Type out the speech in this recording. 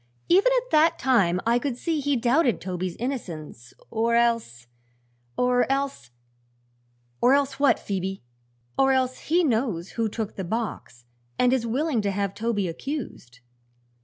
Even at that time I could see he doubted Toby's innocence, or else or else " "Or else what, Phoebe?" "Or else he knows who took the box and is willing to have Toby accused."